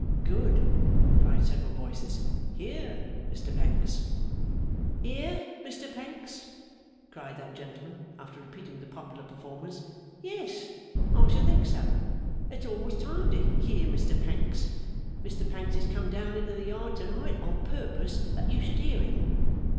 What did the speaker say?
'Good!' cried several voices. 'Hear Mr Pancks!' 'Hear Mr Pancks?' cried that gentleman (after repeating the popular performance). 'Yes, I should think so! It's almost time to hear Mr Pancks. Mr Pancks has come down into the Yard to night on purpose that you should hear him.